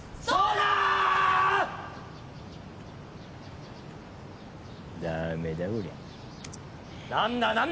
そうだー！